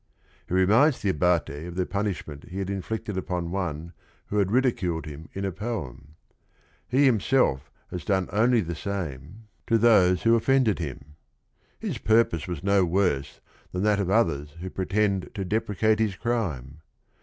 He reminds the Abate of the punishment he had inflicted upon one who had ridiculed him in a poem. He himself has done only the same to 198 THE RING AND THE BOOK those who offended him. His purpose was no worse than that of others who pretend to depre cate his crime.